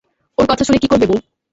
ওর কথা শুনে কী করবে বৌ?